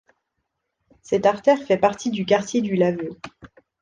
Cette artère fait partie du quartier du Laveu.